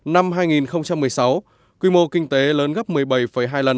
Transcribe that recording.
năm hai nghìn một mươi sáu quy mô kinh tế lớn gấp một mươi bảy hai lần